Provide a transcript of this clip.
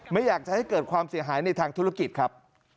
ไม่อยากจะให้เกิดความเสียหายในทางธุรกิจครับ